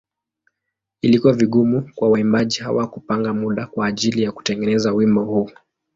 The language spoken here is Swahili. Ilikuwa vigumu kwa waimbaji hawa kupanga muda kwa ajili ya kutengeneza wimbo huu.